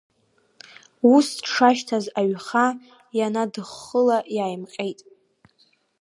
Ус дшашьҭаз аҩхаа ианадыххыла, иааимҟьеит.